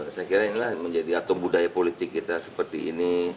saya kira inilah menjadi atau budaya politik kita seperti ini